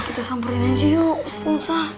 kita samburin aja yuk ustad musa